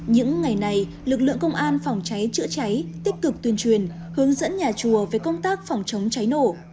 những ngày này lực lượng công an phòng cháy chữa cháy tích cực tuyên truyền hướng dẫn nhà chùa về công tác phòng chống cháy nổ